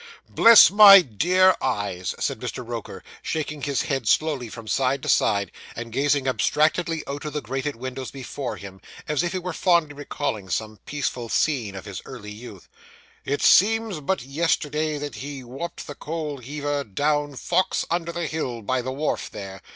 'Bless my dear eyes!' said Mr. Roker, shaking his head slowly from side to side, and gazing abstractedly out of the grated windows before him, as if he were fondly recalling some peaceful scene of his early youth; 'it seems but yesterday that he whopped the coal heaver down Fox under the Hill by the wharf there.